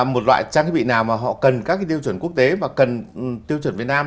một loại trang thiết bị nào mà họ cần các tiêu chuẩn quốc tế mà cần tiêu chuẩn việt nam